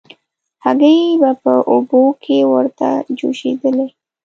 هګۍ به په اوبو کې ورته جوشېدلې.